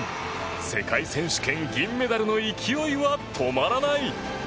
世界選手権、銀メダルの勢いは止まらない！